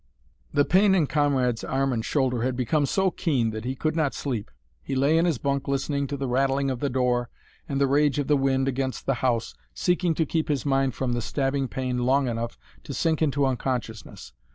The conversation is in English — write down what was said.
The pain in Conrad's arm and shoulder had become so keen that he could not sleep. He lay in his bunk listening to the rattling of the door and the rage of the wind against the house, seeking to keep his mind from the stabbing pain long enough to sink into unconsciousness.